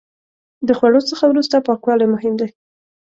د خوړو څخه وروسته پاکوالی مهم دی.